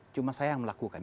cuma saya yang melakukan